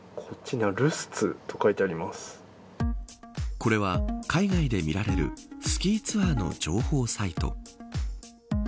これは海外で見られるスキーツアーの情報サイト。